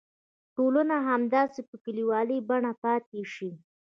ټولنه همداسې په کلیوالي بڼه پاتې شي.